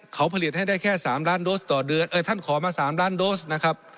เขาผลิตให้ได้แค่๓ล้านโดสต่อเดือนเออท่านขอมา๓ล้านโดสนะครับ